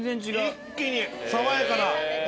一気に爽やかな。